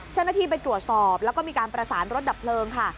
เจ้าหน้าที่ไปตรวจสอบแล้วก็มีการประสานรถดับเพลิงค่ะ